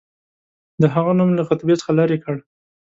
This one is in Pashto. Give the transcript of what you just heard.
د هغه نوم یې له خطبې څخه لیري کړ.